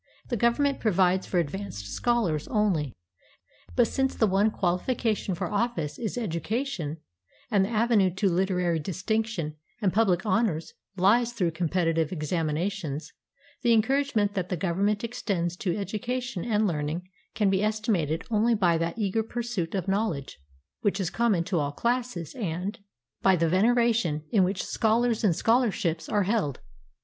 The Government provides for advanced scholars only. But since the one qualification for office is educa tion, and the avenue to literary distinction and public honors lies through competitive examinations, the en couragement that the Government extends to education and learning can be estimated only by that eager pur suit of knowledge which is common to all classes, and by the veneration in which scholars and scholarships are held.